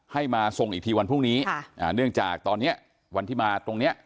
มาส่งอีกทีวันพรุ่งนี้เนื่องจากตอนเนี้ยวันที่มาตรงเนี้ย